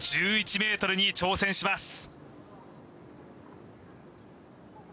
１１ｍに挑戦します